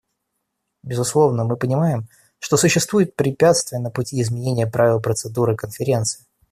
Безусловно, мы понимаем, что существуют препятствия на пути изменения правил процедуры Конференции.